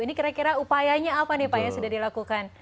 ini kira kira upayanya apa nih pak yang sudah dilakukan